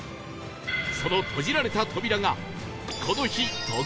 その閉じられた扉が